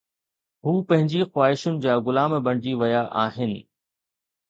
هو پنهنجي خواهشن جا غلام بڻجي ويا آهن.